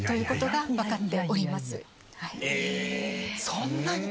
そんなに？